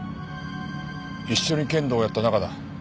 一緒に剣道をやった仲だ。